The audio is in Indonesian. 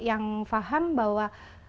yang faham bahwa